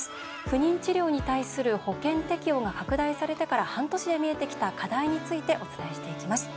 不妊治療に対する保険適用が拡大されてから半年で見えてきた課題についてお伝えしていきます。